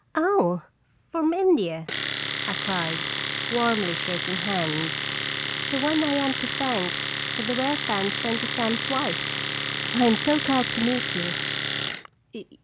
"Oh, from India !" I cried, warmly, shak ing hands; "the one I am to thank for the rare fan sent to Sam's wife ! I am so glad to meet you."